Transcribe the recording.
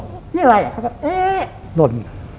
ที่อะไรอ่ะเขาก็เอ๊ะหล่น